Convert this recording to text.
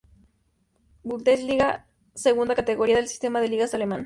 Bundesliga, segunda categoría del sistema de ligas alemán.